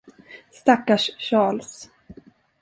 Stackars Charles!